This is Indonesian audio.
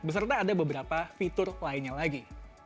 beserta ada beberapa fitur lainnya lagi